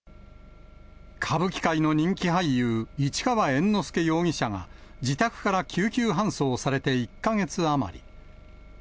歌舞伎界の人気俳優、市川猿之助容疑者が自宅から救急搬送されて１か月余り。